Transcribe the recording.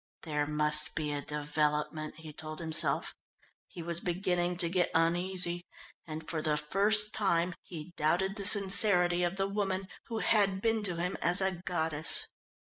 There must be a development, he told himself. He was beginning to get uneasy, and for the first time he doubted the sincerity of the woman who had been to him as a goddess.